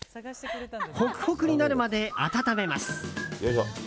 ホクホクになるまで温めます。